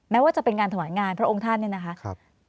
ว่าจะเป็นงานถวายงานพระองค์ท่านเนี่ยนะคะ